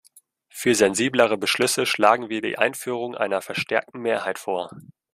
Für sensiblere Beschlüsse schlagen wir die Einführung einer verstärkten Mehrheit vor.